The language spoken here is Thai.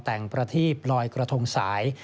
แต่งประทีบลอยกระทงสาย